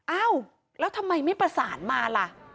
อ้าวแล้วทำไมไม่ประสานมาล่ะ